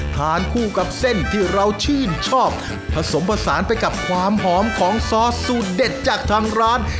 ทานคู่กับเส้นที่เราชื่นชอบผสมผสานไปกับความหอมของซอสสูตรเด็ดจากทางร้าน